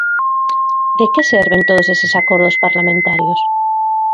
¿De que serven todos eses acordos parlamentarios?